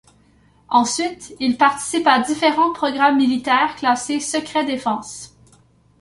Ensuite, il participe à différents programmes militaires classés secret défense.